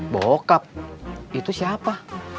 bokap itu siapa